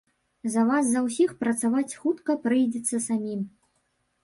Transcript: За вас за ўсіх працаваць хутка прыйдзецца самім.